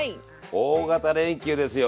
大型連休ですよ。